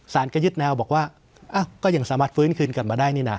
ก็ยึดแนวบอกว่าก็ยังสามารถฟื้นคืนกลับมาได้นี่นะ